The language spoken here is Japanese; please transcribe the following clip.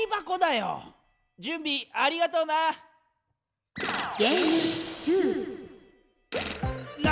じゅんびありがとな！